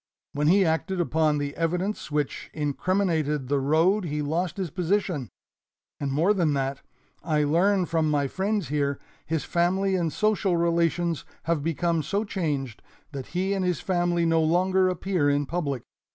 When he acted upon the evidence which incriminated the road he lost his position, and more than that, I learn from my friends here, his family and social relations have become so changed that he and his family no longer appear in public.